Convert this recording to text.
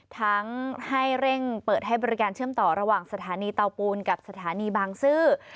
ทั้งให้เร่งเปิดให้บริการเชื่อมต่อระหว่างสถานีเตาปูนกับสถานีบางซื่อ